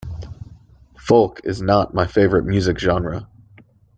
Folk is not my favorite music genre.